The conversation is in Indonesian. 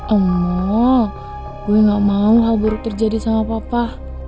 ammoo gue gak mau hal buruk terjadi sama papa